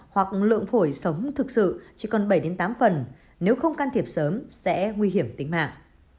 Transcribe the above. hoặc lượng phổi sống thực sự chỉ còn bảy tám phần nếu không can thiệp sớm sẽ nguy hiểm tính mạng